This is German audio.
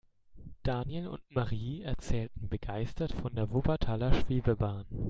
Daniel und Marie erzählten begeistert von der Wuppertaler Schwebebahn.